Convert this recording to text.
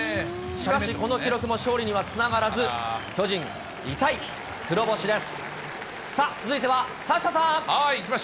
しかしこの記録も勝利にはつながらず、巨人、痛い黒星です。